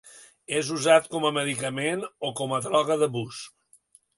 És usat com a medicament o com a droga d'abús.